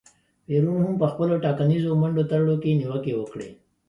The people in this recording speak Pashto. پېرون هم په خپلو ټاکنیزو منډو ترړو کې نیوکې وکړې.